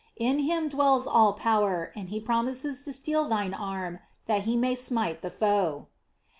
In Him dwells all power, and he promises to steel thine arm that He may smite the foe."